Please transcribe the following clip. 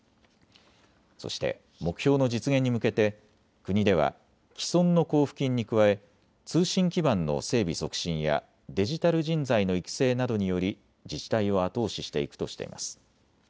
そして目標の実現に向けて国では既存の交付金に加え通信基盤の整備促進やデジタル人材の育成などにより自治体を後押ししていくとしています。